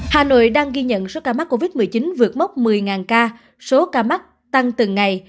hà nội đang ghi nhận số ca mắc covid một mươi chín vượt mốc một mươi ca số ca mắc tăng từng ngày